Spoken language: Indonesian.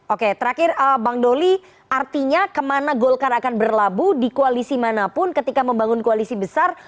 oke terakhir bang doli artinya kemana golkar akan berlabuh di koalisi manapun ketika membangun koalisi besar